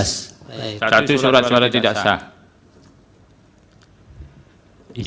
satu surat suara tidak sah